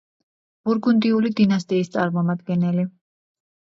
ბურგუნდიული დინასტიის წარმომადგენელი.